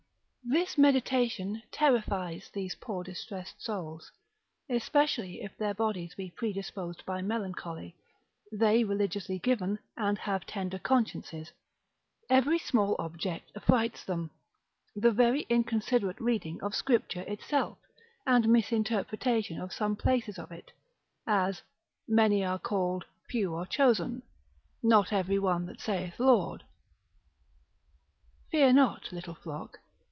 This meditation terrifies these poor distressed souls, especially if their bodies be predisposed by melancholy, they religiously given, and have tender consciences, every small object affrights them, the very inconsiderate reading of Scripture itself, and misinterpretation of some places of it; as, Many are called, few are chosen. Not every one that saith Lord. Fear not little flock.